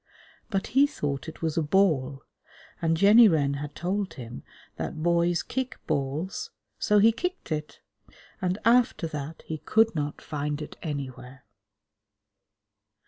But he thought it was a ball, and Jenny Wren had told him that boys kick balls, so he kicked it; and after that he could not find it anywhere.